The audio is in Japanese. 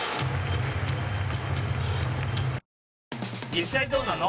実際どうなの？